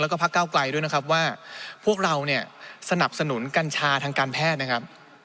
แล้วก็พักเก้าไกลด้วยนะครับว่าพวกเราเนี่ยสนับสนุนกัญชาทางการแพทย์นะครับ